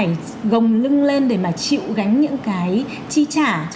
mọi người đã phải gồng lưng lên để mà chịu gánh những cái chi trả